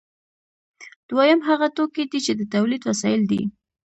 دویم هغه توکي دي چې د تولید وسایل دي.